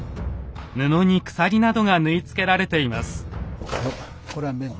布に鎖などが縫い付けられています。